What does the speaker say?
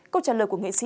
câu trả lời của nghệ sĩ